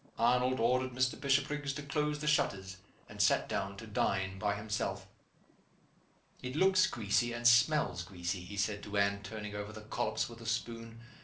Arnold ordered Mr. Bishopriggs to close the shutters, and sat down to dine by himself. "It looks greasy, and smells greasy," he said to Anne, turning over the collops with a spoon.